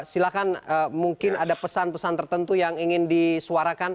silahkan mungkin ada pesan pesan tertentu yang ingin disuarakan